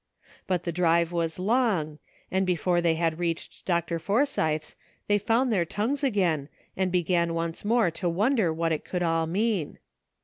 But the drive was long, and before they had reached Dr. Forsythe's they found their tongues again, and began once more to wonder what it could all mean.